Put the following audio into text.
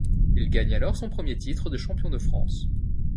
Il gagne alors son premier titre de champion de France.